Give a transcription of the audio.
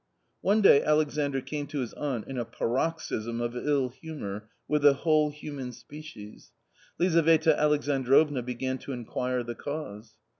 One day Alexandr came to his aunt in a paroxysm of ill humour with the whole human species. Lizaveta Alex androvna began to inquire the cause.